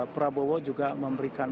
prabowo juga memberikan